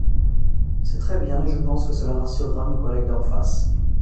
C’est très bien, et je pense que cela rassurera nos collègues d’en face.